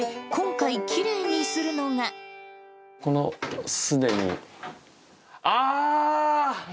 この、すでに、あー！